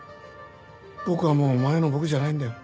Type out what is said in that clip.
僕はもう前の僕じゃないんだよ。